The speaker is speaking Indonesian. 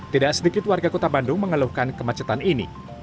tidak sedikit warga kota bandung mengeluhkan kemacetan ini